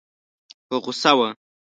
په غوسه وه.